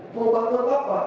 mau barang apa